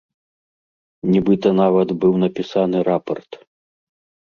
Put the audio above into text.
Нібыта нават быў напісаны рапарт.